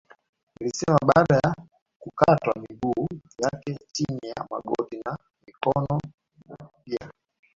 Nilisema baada ya kukatwa miguu yangu chini ya magoti na mikono pia